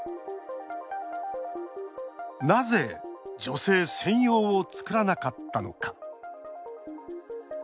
なぜ、女性専用をつくらなかったのか。